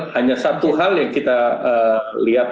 hanya satu hal yang kita lihat